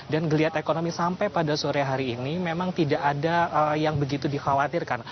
geliat ekonomi sampai pada sore hari ini memang tidak ada yang begitu dikhawatirkan